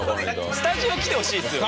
スタジオ来てほしいですよね。